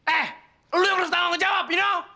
eh lo yang harus tanggung jawab bino